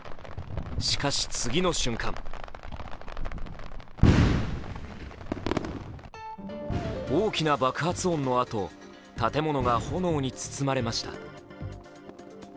しかし、次の瞬間大きな爆発音のあと建物が炎に包まれました。